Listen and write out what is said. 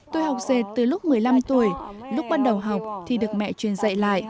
tôi học dệt từ lúc một mươi năm tuổi lúc ban đầu học thì được mẹ truyền dạy lại